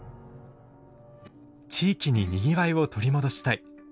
地域ににぎわいを取り戻したい。